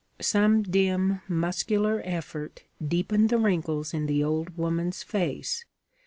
Some dim muscular effort deepened the wrinkles in the old woman's face.